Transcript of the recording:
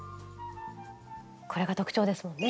これが特徴ですもんね。